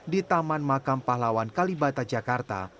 di taman makam pahlawan kalibata jakarta